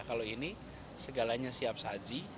kalau ini segalanya siap saji